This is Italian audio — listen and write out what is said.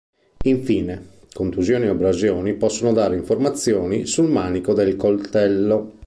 Infine, contusioni o abrasioni possono dare informazioni sul manico del coltello.